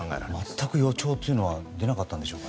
全く予兆というのは出なかったんでしょうか。